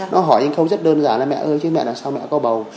nó hỏi những câu rất đơn giản là mẹ ơi chứ mẹ là sao mẹ có bầu